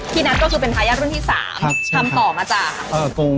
พี่นั้นก็คือเป็นทายาทรุ่นที่สามครับใช่ครับทำต่อมาจ้ะครับพ่ออาโกง